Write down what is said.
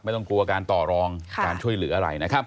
ไม่ต้องกลัวการต่อรองการช่วยเหลืออะไรนะครับ